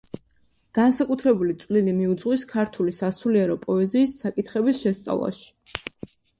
განსაკუთრებული წვლილი მიუძღვის ქართული სასულიერო პოეზიის საკითხების შესწავლაში.